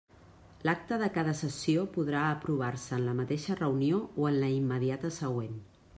L'acta de cada sessió podrà aprovar-se en la mateixa reunió o en la immediata següent.